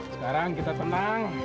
sekarang kita tenang